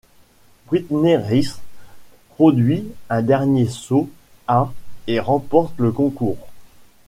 Brittney Reese produit un dernier saut à et remporte le concours.